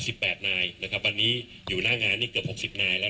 สิบแปดนายนะครับวันนี้อยู่หน้างานนี่เกือบหกสิบนายแล้ว